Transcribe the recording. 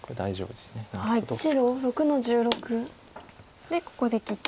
でここで切って。